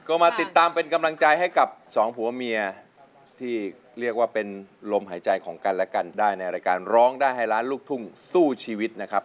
ก็มาติดตามเป็นกำลังใจให้กับสองผัวเมียที่เรียกว่าเป็นลมหายใจของกันและกันได้ในรายการร้องได้ให้ล้านลูกทุ่งสู้ชีวิตนะครับ